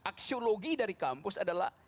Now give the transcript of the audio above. aksiologi dari kampus adalah